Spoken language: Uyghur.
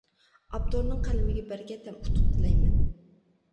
ئاپتورنىڭ قەلىمىگە بەرىكەت ھەم ئۇتۇق تىلەيمەن.